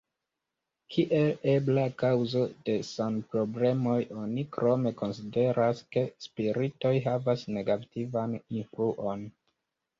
Kiel ebla kaŭzo de sanproblemoj oni krome konsideras ke spiritoj havas negativan influon.